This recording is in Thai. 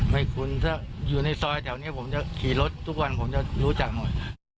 คุ้นถ้าอยู่ในซอยแถวนี้ผมจะขี่รถทุกวันผมจะรู้จักหมด